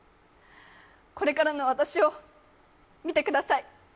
これからの私を見てください。